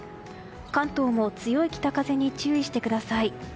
関東も強い北風に注意してください。